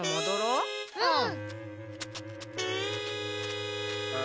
うん。